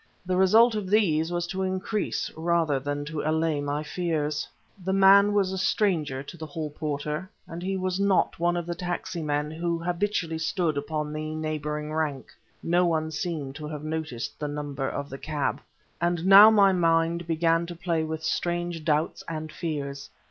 The result of these was to increase rather than to allay my fears. The man was a stranger to the hall porter, and he was not one of the taximen who habitually stood upon the neighboring rank; no one seemed to have noticed the number of the cab. And now my mind began to play with strange doubts and fears.